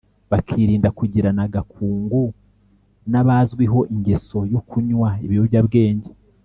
bakirinda kugirana agakungu n’abazwiho ingeso yo kunywa ibiyobya bwenge